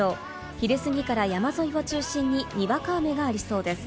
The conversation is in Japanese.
昼すぎから山沿いを中心ににわか雨がありそうです。